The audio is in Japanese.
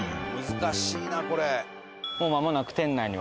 難しいなこれ。